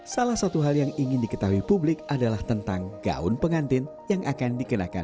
salah satu hal yang ingin diketahui publik adalah tentang gaun pengantin yang akan dikenakan